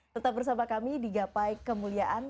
tetap bersama kami di gapai kemuliaan